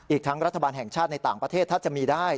อีกทั้งรัฐบาลแห่งชาติในต่างประเทศถ้าจะมีได้